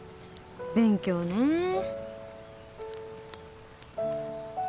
勉強ねえ